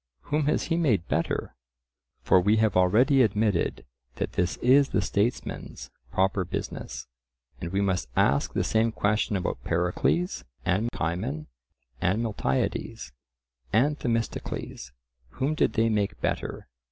Whom has he made better? For we have already admitted that this is the statesman's proper business. And we must ask the same question about Pericles, and Cimon, and Miltiades, and Themistocles. Whom did they make better?